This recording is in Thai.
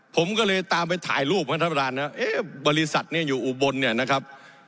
ผมก็เลยตามไปถ่ายรูปครับท่านประธานนะเอ๊ะบริษัทเนี่ยอยู่อุบลเนี่ยนะครับ